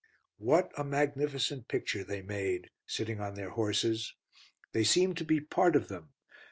What a magnificent picture they made, sitting on their horses. They seemed to be part of them.